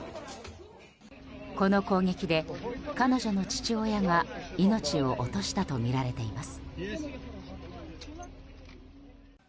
この攻撃で彼女の父親が命を落としたとみられています。